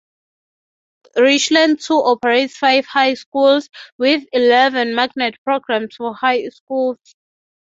Richland Two operates five high schools, with eleven magnet programs for high schools.